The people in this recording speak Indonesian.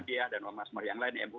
dan mas mariam